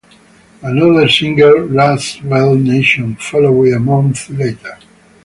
Another single, "Rust Belt Nation", followed a month later.